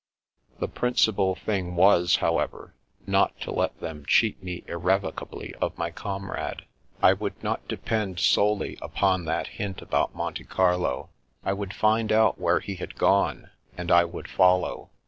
The principal thing was, however, not to let them cheat me irrevocably of my comrade. I would not depend solely upon that hint about Monte Carlo. I would find out where he had gone, and I would follow.